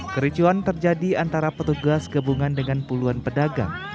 kericuan terjadi antara petugas gabungan dengan puluhan pedagang